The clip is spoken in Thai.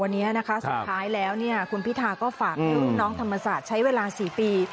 อดีตอนาคตใหม่และก็เป็นพักเก้าไกลขึ้นมา